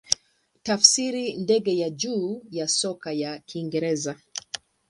Tafsiri ndege ya juu ya soka ya Kiingereza.